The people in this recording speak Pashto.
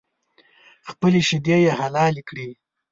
خپلې شیدې یې حلالې کړې.